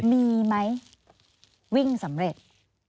มีไหมวิ่งสำเร็จ